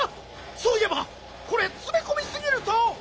そういえばこれつめこみすぎると。